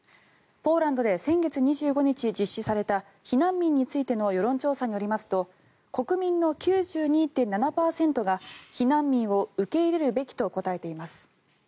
ポーランドで先月２５日に実施された避難民についての世論調査によりますと国民の９２．７％が避難民を受け入れるべきと答えています。